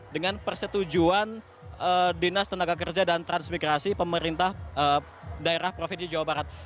dengan persetujuan dinas tenaga kerja dan transmigrasi pemerintah daerah provinsi jawa barat